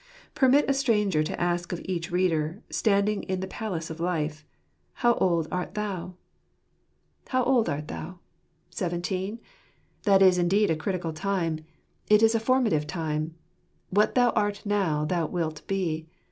Permit a stranger to ask of each reader, standing in the palace of life, " How old art thou ?" *35 "$0far hlfo art ifroa? How old art thou? Seventeen ? That is indeed a critical time. It is the formative time : what thou art now, thou wilt be.